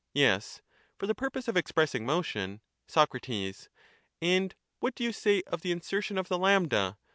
Yes ; for the purpose of expressing motion. Soc. And what do you say of the insertion of the A?